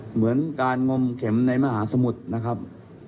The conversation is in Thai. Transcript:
เหมือนการงมเข็มในมหาสมุทรนะครับ